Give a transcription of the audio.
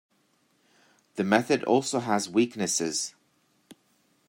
The method also has weaknesses.